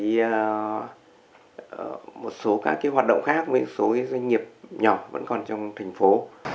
do một số các cái hoạt động khác với một số doanh nghiệp nhỏ vẫn còn trong thành phố